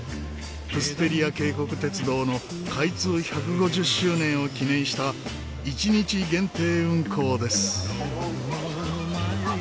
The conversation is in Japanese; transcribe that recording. プステリア渓谷鉄道の開通１５０周年を記念した一日限定運行です。